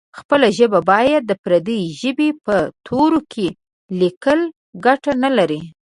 خپله ژبه باید د پردۍ ژبې په تورو کې لیکل ګټه نه لري.